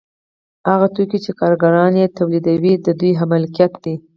هغه توکي چې کارګران یې تولیدوي هم د دوی ملکیت دی